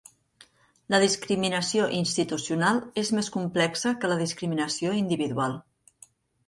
La discriminació institucional és més complexa que la discriminació individual.